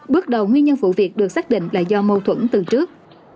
bước đầu nguyên nhân vụ việc được xác định là do mâu thuẫn từ trước